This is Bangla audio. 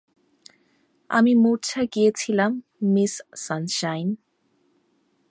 আমি মূর্ছা গিয়েছিলাম মিস সানশাইন।